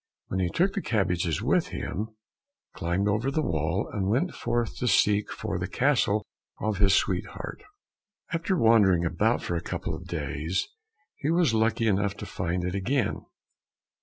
Then he took the cabbages with him, climbed over the wall, and went forth to seek for the castle of his sweetheart. After wandering about for a couple of days he was lucky enough to find it again.